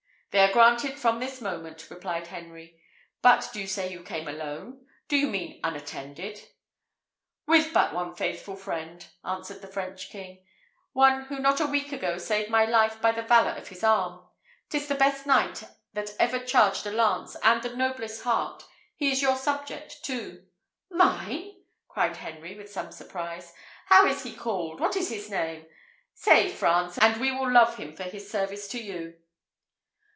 "They are granted from this moment," replied Henry. "But do you say you came alone? Do you mean unattended?" "With but one faithful friend," answered the French king; "one who not a week ago saved my life by the valour of his arm. 'Tis the best knight that ever charged a lance, and the noblest heart: he is your subject, too." "Mine!" cried Henry, with some surprise. "How is he called? What is his name? Say, France, and we will love him for his service to you."